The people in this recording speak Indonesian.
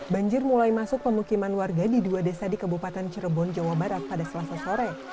banjir mulai masuk pemukiman warga di dua desa di kabupaten cirebon jawa barat pada selasa sore